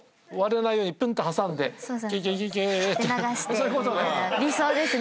そういうことね。